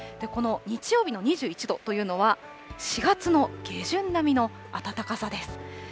この日曜日の２１度というのは、４月の下旬並みの暖かさです。